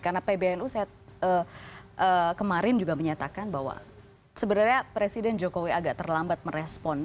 karena pbnu saya kemarin juga menyatakan bahwa sebenarnya presiden jokowi agak terlambat meresponnya